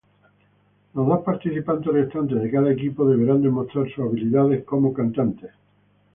Los dos participantes restantes de cada equipo deberán demostrar sus habilidades como cantantes.